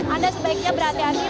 anda sebaiknya berhati hati